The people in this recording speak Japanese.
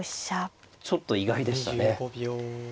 ちょっと意外でしたね。